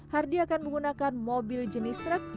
hardi akan menggunakan mobil jenis truk